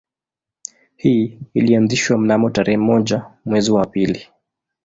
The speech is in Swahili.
Hii ilianzishwa mnamo tarehe moja mwezi wa pili